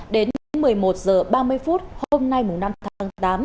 đến một mươi một h ba mươi phút hôm nay năm tháng tám